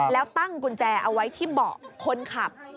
แล้วตั้งกุญแจเอาไว้ที่เบาะคนขับ